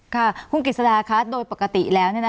คุณกิจสาธารณ์คะโดยปกติแล้ว